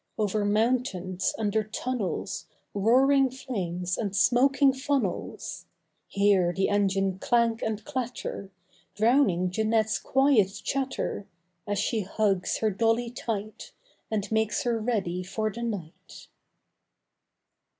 Over mountains, under tunnels, Roaring flames and smoking funnels— Hear the engine clank and clatter! Drowning Jeanette's quiet chatter As she hugs her dolly tight And makes her ready for the night.